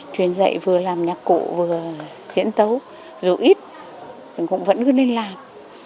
truyền dạy vừa làm nhạc cụ vừa diễn tấu dù ít cũng vẫn cứ nên làm